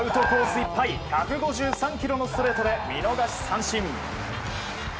いっぱい１５３キロのストレートで見逃し三振。